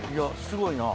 すごいな。